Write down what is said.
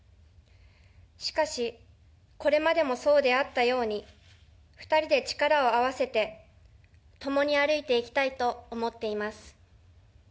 しかし、これまでもそうであったように、２人で力を合わせて共に歩いていきたいと思っています。